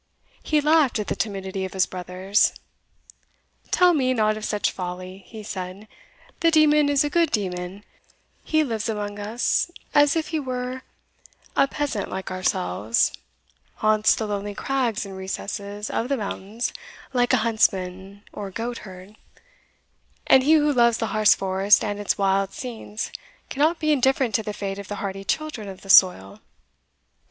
He laughed at the timidity of his brothers. "Tell me not of such folly," he said; "the demon is a good demon he lives among us as if he were a peasant like ourselves haunts the lonely crags and recesses of the mountains like a huntsman or goatherd and he who loves the Harz forest and its wild scenes cannot be indifferent to the fate of the hardy children of the soil.